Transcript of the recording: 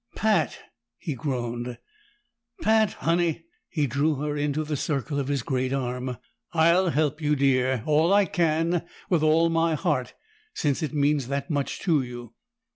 "Pat!" he groaned. "Pat, Honey!" He drew her into the circle of his great arm. "I'll help you, dear! All I can, with all my heart, since it means that much to you!"